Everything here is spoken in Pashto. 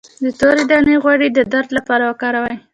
د تورې دانې غوړي د درد لپاره وکاروئ